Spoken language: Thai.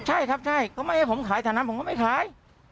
ใช่ครับใช่ก็ไม่ให้ผมขายแถวนั้นผมก็ไม่ขาย